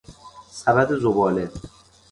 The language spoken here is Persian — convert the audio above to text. سبد زباله